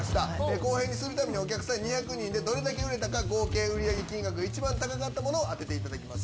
公平にするために、お客さん２００人でどれだけ売れたか、合計売り上げ金額、一番高かったものを当てていただきます。